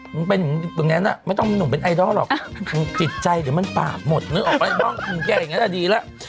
หนุ่มเป็นอย่างไรนะไม่ต้องหนุ่มเป็นไอดอลหรอกจิตใจเดี๋ยวมันปาหมดนึกออกไว้บ้างหนุ่มแกอย่างนี้ดีแล้ว